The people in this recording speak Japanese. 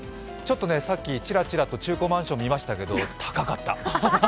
ちょっとさっき、ちらちらと中古マンションを見ましたけれども高かった。